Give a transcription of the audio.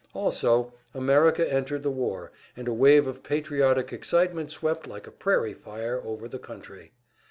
Also, America entered the war, and a wave of patriotic excitement swept like a prairie fire over the country.